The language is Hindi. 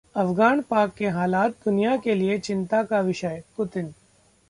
अफगान-पाक के हालात दुनिया के लिए चिंता का विषय: पुतिन